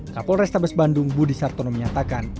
kapolrestabes bandung budi sartono menyatakan